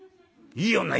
「いい女。